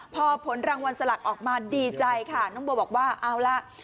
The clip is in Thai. พอผลรางวัลสลักออกมาดีใจค่ะน้องโบบอกว่าเอาล่ะ